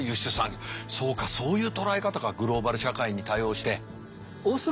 そうかそういう捉え方がグローバル社会に対応して。